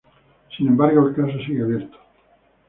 Sin embargo, el caso sigue abierto.